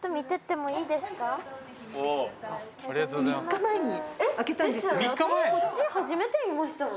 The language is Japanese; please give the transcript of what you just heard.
３日前に？